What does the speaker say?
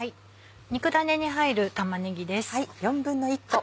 肉だねに入る玉ねぎです。